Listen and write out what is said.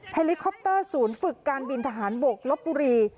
ลิคอปเตอร์ศูนย์ฝึกการบินทหารบกลบบุรี